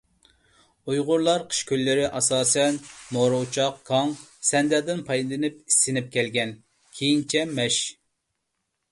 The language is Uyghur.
ئۇيغۇرلار قىش كۈنلىرى ئاساسەن مورا ئوچاق، كاڭ، سەندەلدىن پايدىلىنىپ ئىسسىنىپ كەلگەن، كېيىنچە مەش.